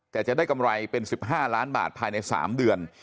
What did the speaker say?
แต่จะได้กำไรเป็น๑๕ล้านบาทภายใน๓เดือน